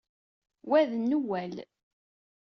Wa d Newwal!